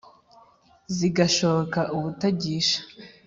zigashoka ubutagisha